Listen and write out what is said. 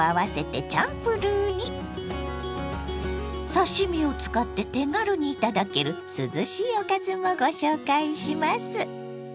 刺身を使って手軽に頂ける涼しいおかずもご紹介します。